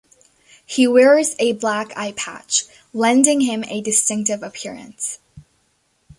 He wears a black eyepatch, lending him a distinctive appearance.